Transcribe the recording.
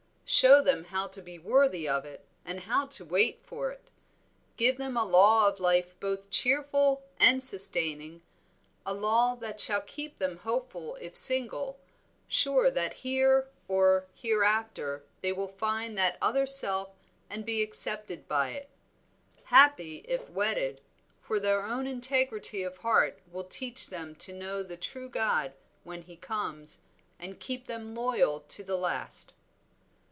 Show them how to be worthy of it and how to wait for it. Give them a law of life both cheerful and sustaining; a law that shall keep them hopeful if single, sure that here or hereafter they will find that other self and be accepted by it; happy if wedded, for their own integrity of heart will teach them to know the true god when he comes, and keep them loyal to the last."